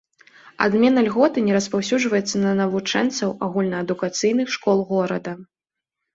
Адмена льготы не распаўсюджваецца на навучэнцаў агульнаадукацыйных школ горада.